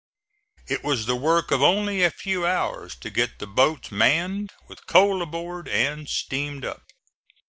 It was the work of only a few hours to get the boats manned, with coal aboard and steam up.